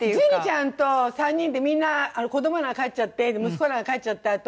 樹里ちゃんと３人でみんな子どもらが帰っちゃって息子らが帰っちゃった